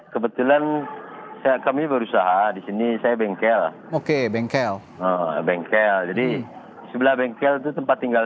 kebetulan kami berusaha disini saya bengkel oke bengkel bengkel jadi sebelah bengkel itu tempat tinggal